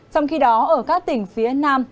trong khi đó ở các tỉnh phía nam